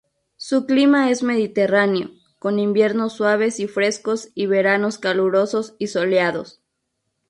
Su clima es mediterráneo, con inviernos suaves y frescos y veranos calurosos y soleados.